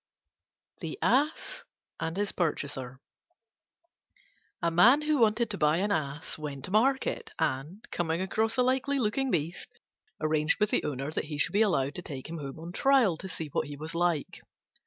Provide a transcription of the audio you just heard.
THE ASS AND HIS PURCHASER A Man who wanted to buy an Ass went to market, and, coming across a likely looking beast, arranged with the owner that he should be allowed to take him home on trial to see what he was like.